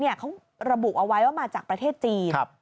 เขาระบุเอาไว้ว่ามาจากประเทศจีน